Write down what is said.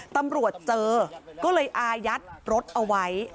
ตำรวจเจอก็เลยอายัดรถเอาไว้